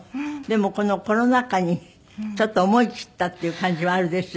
でもこのコロナ禍にちょっと思いきったっていう感じはあるでしょ？